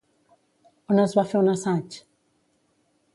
On es va fer un assaig?